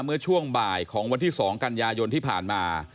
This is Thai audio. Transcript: เมื่อช่วงบ่ายของวันที่๒กันยายนที่ผ่านมา